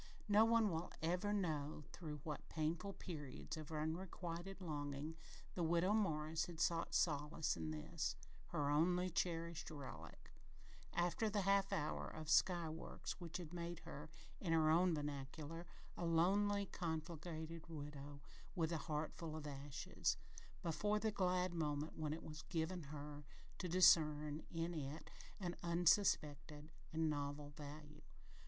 No one will ever know through what painful periods of unrequited longing the Widow Morris had sought solace in this, her only cherished "relic," after the "half hour of sky works" which had made her, in her own vernacular, "a lonely, conflagrated widow, with a heart full of ashes," before the glad moment when it was given her to discern in it an unsuspected and novel value.